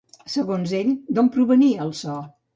Segons ell, d'on provenia el so?